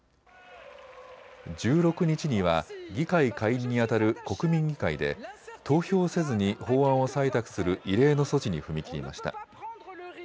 １６日には議会下院にあたる国民議会で投票せずに法案を採択する異例の措置に踏み切りました。